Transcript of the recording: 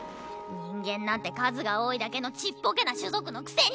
人間なんて数が多いだけのちっぽけな種族のくせに！